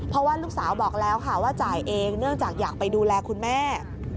เพราะว่าลูกสาวบอกแล้วค่ะว่าจ่ายเองเนื่องจากอยากไปดูแลคุณแม่